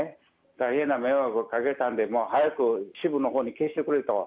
大変な迷惑をかけたんで、早く支部のほうに消してくれと。